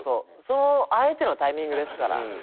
そのあえてのタイミングですから。